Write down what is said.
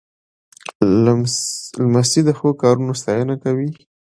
لمسی د ښو کارونو ستاینه کوي.